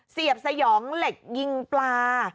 เสียบสยองเหล็กยิงปลา